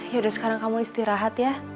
yaudah sekarang kamu istirahat ya